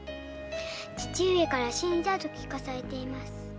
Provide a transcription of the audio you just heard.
父上から「死んだ」と聞かされています。